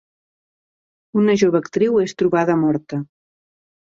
Una jove actriu és trobada morta.